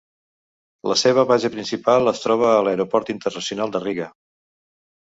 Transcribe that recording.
La seva base principal es troba a l'aeroport Internacional de Riga.